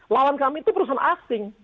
lawan kami itu perusahaan asing